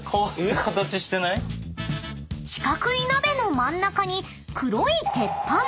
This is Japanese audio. ［四角い鍋の真ん中に黒い鉄板］